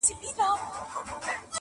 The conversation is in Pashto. ما به ولي کاروانونه لوټولاى.!